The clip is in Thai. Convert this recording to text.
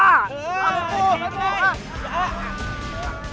เออนับโกมนับโกม